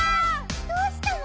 どうしたの！？